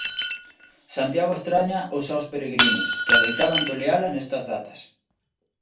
Santiago estraña os seus peregrinos, que adoitaban toleala nestas datas.